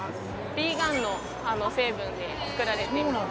ヴィーガンの成分で作られています